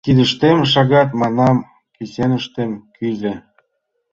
«Кидыштем — шагат, — манам, — кӱсеныштем — кӱзӧ».